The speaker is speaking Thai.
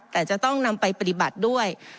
แต่จะต้องนำไปปฏิบัติด้วย